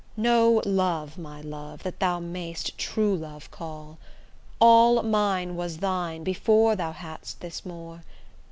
No love, my love, that thou mayst true love call; All mine was thine, before thou hadst this more.